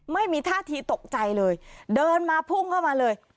ไม่มีท่าทีตกใจเลยเดินมาพุ่งเข้ามาเลย